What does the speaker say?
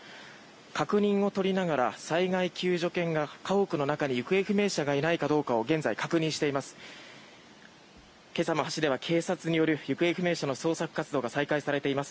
確認を取りながら災害救助犬が家屋の中に行方不明者がいないかどうかを現在確認しています。